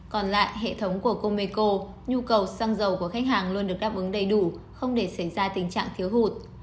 còn lại hệ thống của comeco nhu cầu xăng dầu của khách hàng luôn được đáp ứng đầy đủ không để xảy ra tình trạng thiếu hụt